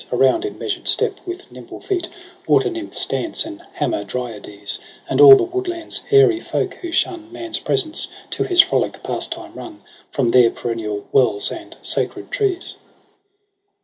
Around in measured step with nimble feet Water nymphs dance and Hamadryades : And all the woodland's airy folk, who shun Man's presence, to his frolic pastime run From their perennial wells and sacred trees.